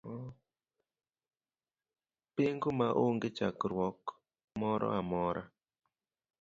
Pengo ma onge chandruok moro amora.